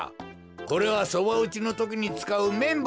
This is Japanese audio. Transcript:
これはそばうちのときにつかうめんぼうじゃ。